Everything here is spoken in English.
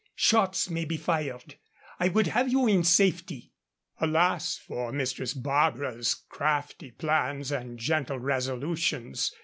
Shots may be fired. I would have you in safety." Alas for Mistress Barbara's crafty plans and gentle resolutions.